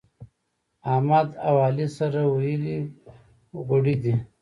احمد او علي سره ويلي غوړي دي.